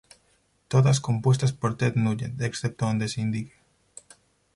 Todas compuestas por Ted Nugent, excepto donde se indique.